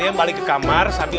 nih ke sini